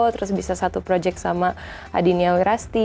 terus bisa satu project sama adinia wirasti